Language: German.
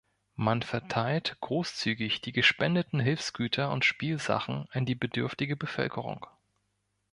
Man verteilt großzügig die gespendeten Hilfsgüter und Spielsachen an die bedürftige Bevölkerung.